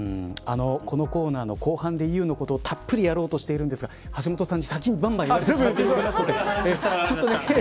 このコーナーの後半でＥＵのことをたっぷりやろうとしているんですが橋下さんに先にばんばん言われてしまって。